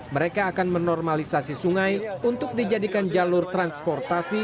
mereka akan menormalisasi sungai untuk dijadikan jalur transportasi